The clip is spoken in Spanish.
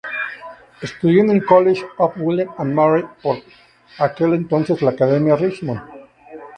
Estudió en el College of William and Mary, por aquel entonces la Academia Richmond.